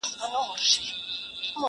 چي ته مه ژاړه پیسې مو دربخښلي،